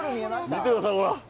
見てください、ほら。